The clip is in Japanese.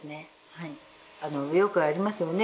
はいよくありますよね